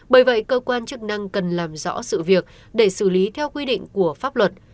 bởi vậy cơ quan chức năng cần làm rõ sự việc để xử lý theo quy định của pháp luật